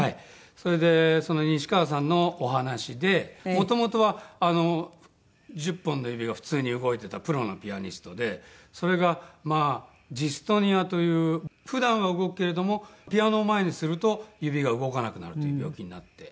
それでその西川さんのお話でもともとは１０本の指が普通に動いてたプロのピアニストでそれがまあジストニアという普段は動くけれどもピアノを前にすると指が動かなくなるという病気になって。